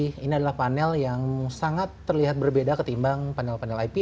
jadi ini adalah panel yang sangat terlihat berbeda ketimbang panel panel ips atau yang lain